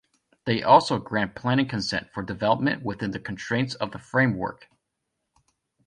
They also grant planning consent for development, within the constraints of the Framework.